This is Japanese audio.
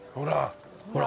ほら。